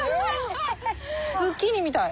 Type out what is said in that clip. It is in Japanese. ズッキーニみたい。